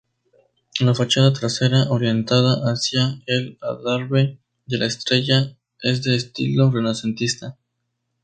La fachada trasera, orientada hacia el adarve de la Estrella, es de estilo renacentista.